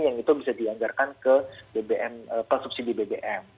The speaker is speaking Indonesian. yang itu bisa dianggarkan ke bbm subsidi bbm